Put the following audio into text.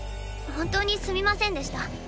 本当にすみませんでした。